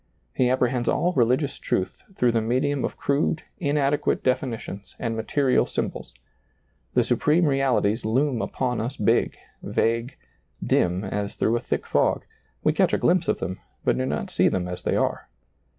He apprehends all religious truth through the medium DiailizccbvGoOgle l8a SEEING DARKLY of crude, inadequate definitions and material sym bols. The supreme realities loom upon us big, vague, dim, as dirou^ a thick fog ; we catch a glimpse of them, but do not see them as tbey are.